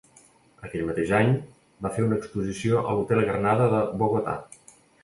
Aquell mateix any, va fer una exposició a l'Hotel Granada de Bogotà.